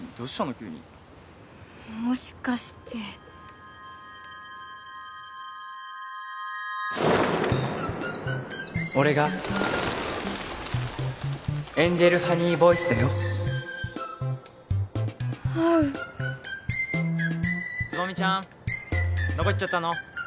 急にもしかして俺がエンジェルハニーボイスだよ合う蕾未ちゃんどこ行っちゃったの？